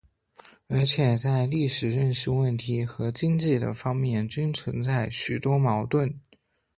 而且在历史认识问题和经济等方面均存在许多矛盾。